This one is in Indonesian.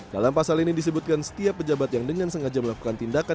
dalam pasal ini disebutkan setiap pejabat yang dengan sengaja melakukan tindakan